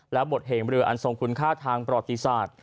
และบทเหงเรืออันทรงคุณค่าทางประวัติศาสตร์